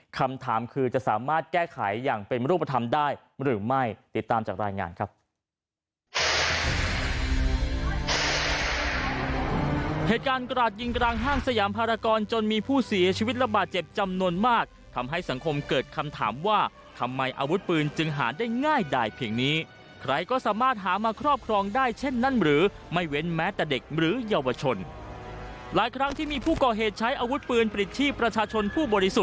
คำถามคือจะสามารถแก้ไขอย่างเป็นรูปธรรมได้หรือไม่ติดตามจากรายงานครับ